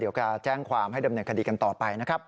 เดี๋ยวก็แจ้งความให้เดิมเนื้อคดีกันต่อไปนะครับ